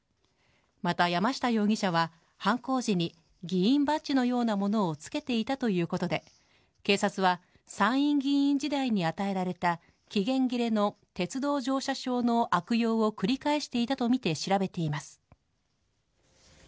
また山下容疑者は犯行時に、議員バッジのようなものをつけていたということで、警察は参院議員時代に与えられた、期限切れの鉄道乗車証の悪用を繰り返していたと見て調べています。